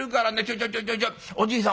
「ちょいちょいおじいさん